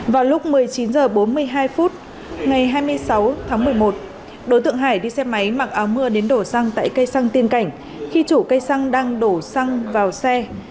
vào lúc một mươi chín h bốn mươi hai phút ngày hai mươi sáu tháng một mươi một đối tượng hải đi xe máy mặc áo mưa đến đổ xăng tại cây xăng tiên cảnh khi chủ cây xăng đang đổ xăng vào xe